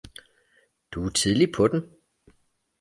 Du er tidligt på den